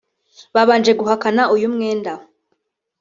Babanje guhakana uyu mwenda